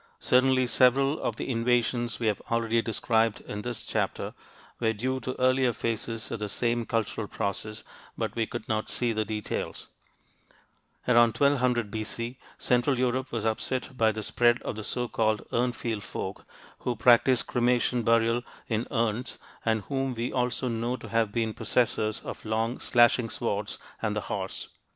Certainly several of the invasions we have already described in this chapter were due to earlier phases of the same cultural process, but we could not see the details. [Illustration: SLASHING SWORD] Around 1200 B.C. central Europe was upset by the spread of the so called Urnfield folk, who practiced cremation burial in urns and whom we also know to have been possessors of long, slashing swords and the horse.